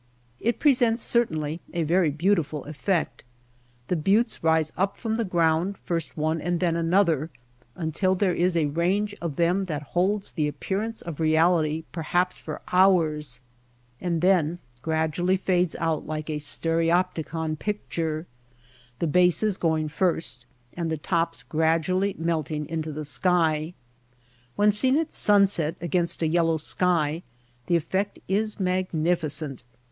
It presents certainly a very beautiful effect. The buttes rise up from the ground, first one and then another, until there is a range of them that holds the appearance of reality perhaps for hours, and then gradually fades out like a stere opticon picture — the bases going first and the tops gradually melting into the sky. When seen at sunset against a yellow sky the effect is magnificent.